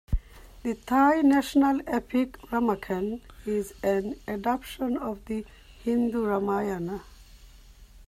The Thai national epic Ramakien is an adaption of the Hindu Ramayana.